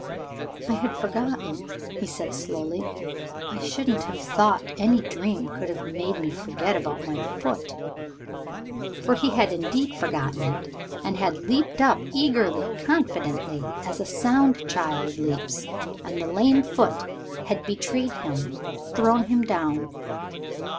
"I had forgotten," he said slowly. "I shouldn't have thought any dream could have made me forget about my foot." For he had indeed forgotten it, had leaped up, eagerly, confidently, as a sound child leaps, and the lame foot had betrayed him, thrown him down.